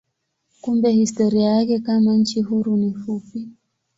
Kumbe historia yake kama nchi huru ni fupi.